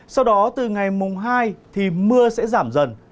sau đó từ ngày mùng hai thì mưa sẽ giảm dần